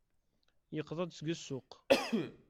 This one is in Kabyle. Yeqḍa-d seg ssuq.